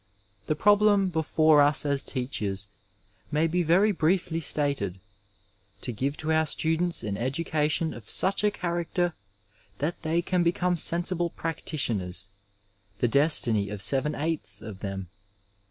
The problem before us as teachers may be very briefly stated : to give to our students an education of such a character that they can become sensible practitioners — ^the destiny of seven eighths of them.